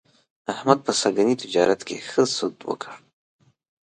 احمد په سږني تجارت کې ښه سود وکړ.